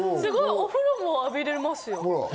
お風呂も浴びれますよ。